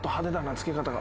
つけ方が。